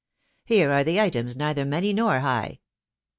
... Here are the items, neither many nor high :—«.